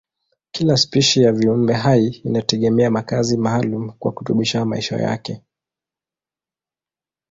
Kila spishi ya viumbehai inategemea makazi maalumu kwa kudumisha maisha yake.